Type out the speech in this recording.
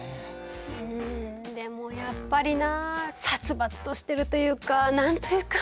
うんでもやっぱりなあ殺伐としてるというか何と言うか。